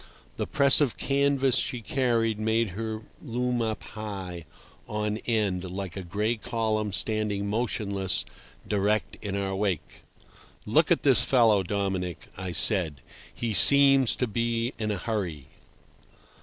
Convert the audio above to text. The press of canvas she carried made her loom up high, end on, like a gray column standing motionless directly in our wake. "Look at this fellow, Dominic," I said. "He seems to be in a hurry."